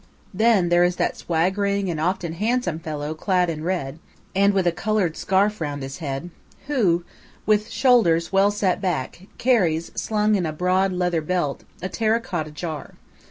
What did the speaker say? Then there is that swaggering and often handsome fellow clad in red, and with a coloured scarf around his head, who, with shoulders well set back, carries, slung in a broad leather belt, a terra cotta jar.